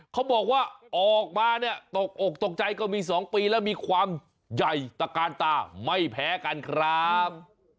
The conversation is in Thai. เขาบอกว่าออกมาเนี่ยตกอกตกใจก็มี๒ปีแล้วมีความใหญ่ตะกานตาไม่แพ้กันครับ